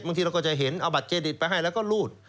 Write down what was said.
บางทีเราก็จะเห็นเอาบัตรเครดิตไปให้แล้วก็รูด